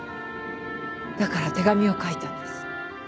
だから手紙を書いたんです。